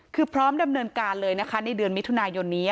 คือพร้อมดำเนินการเลยนะคะในเดือนมิถุนายนนี้